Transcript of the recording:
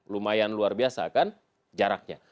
lumayan luar biasa kan jaraknya